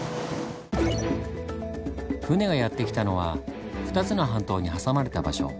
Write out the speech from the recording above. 船がやって来たのは２つの半島に挟まれた場所。